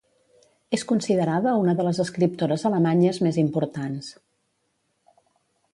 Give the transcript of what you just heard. És considerada una de les escriptores alemanyes més importants.